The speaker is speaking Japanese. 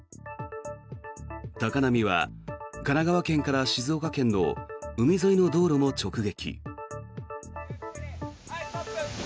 高波は神奈川県から静岡県の海沿いの道路も直撃。